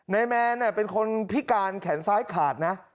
แมนเป็นคนพิการแขนซ้ายขาดนะ